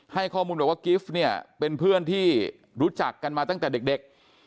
ให้ข้อมูลบอกว่ากิฟต์เนี่ยเป็นเพื่อนที่รู้จักกันมาตั้งแต่เด็ก